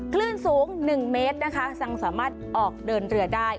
คลื่นสูง๑เมตรนะคะยังสามารถออกเดินเรือได้